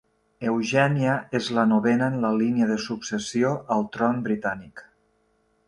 Eugènia és la novena en la línia de successió al tron britànic.